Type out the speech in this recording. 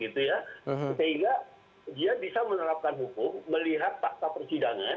sehingga dia bisa menerapkan hukum melihat fakta persidangan